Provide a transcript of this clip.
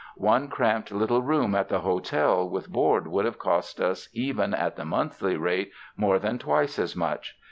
One cramped little room at the hotel, with board, would have cost us even at the monthly rate more than twice as much.